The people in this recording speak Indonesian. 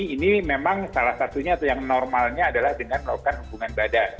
ini memang salah satunya atau yang normalnya adalah dengan melakukan hubungan badan